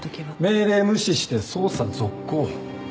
命令無視して捜査続行。